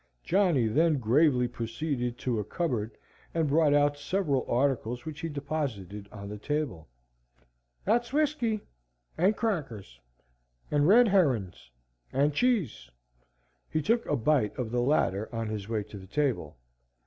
Johnny then gravely proceeded to a cupboard and brought out several articles which he deposited on the table. "Thar's whiskey. And crackers. And red herons. And cheese." He took a bite of the latter on his way to the table.